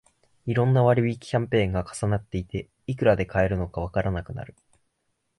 いろんな割引キャンペーンが重なっていて、いくらで買えるのかわからなくなる